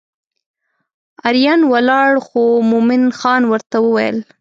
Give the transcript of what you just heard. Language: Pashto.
اریان ولاړ خو مومن خان ورته وویل.